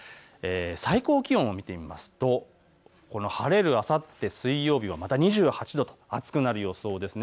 最高気温を見てみると晴れるあさって水曜日は２８度と暑くなる予想です。